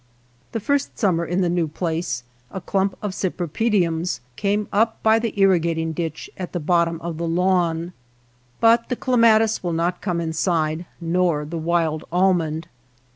The first summer in the new place, a^ clump of cypripediums came up by the irrigating ditch at the bottom of the lawn. But the clematis will not come inside, nor the wild almond.